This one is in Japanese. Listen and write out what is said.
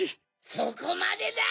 そこまでだ！